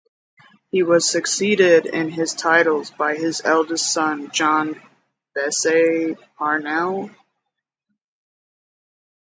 He was succeeded in his titles by his eldest son John Vesey Parnell.